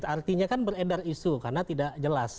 artinya kan beredar isu karena tidak jelas